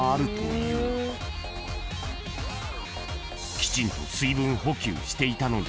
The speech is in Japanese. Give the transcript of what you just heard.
［きちんと水分補給していたのに］